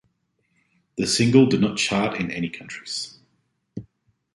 The single did not chart in any countries.